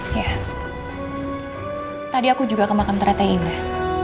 hah tadi aku juga ke makam teratai indah